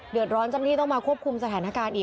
เดือดร้อนจำหนี้ต้องมาควบคุมสถานการณ์อีก